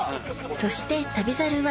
そして『旅猿』は